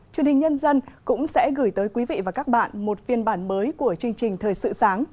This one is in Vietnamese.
truyền hình nhân dân cũng sẽ gửi tới quý vị và các bạn một phiên bản mới của chương trình thời sự sáng